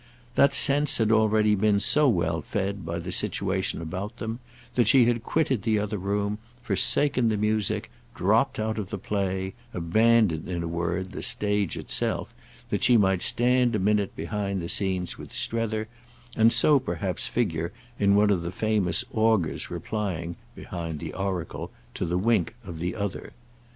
That sense had already been so well fed by the situation about them that she had quitted the other room, forsaken the music, dropped out of the play, abandoned, in a word, the stage itself, that she might stand a minute behind the scenes with Strether and so perhaps figure as one of the famous augurs replying, behind the oracle, to the wink of the other.